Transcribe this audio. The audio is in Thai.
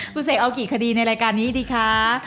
คุณเสกเอากี่คดีในรายการนี้ดีคะ